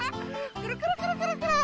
くるくるくるくるくる。